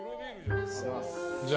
じゃあ。